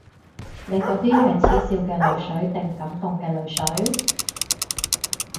你嗰啲係恥笑嘅淚水定感動嘅淚水？